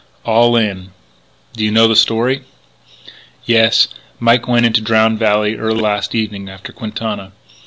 "All in." "Do you know the story?" "Yes. Mike went into Drowned Valley early last evening after Quintana.